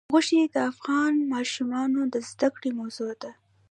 غوښې د افغان ماشومانو د زده کړې موضوع ده.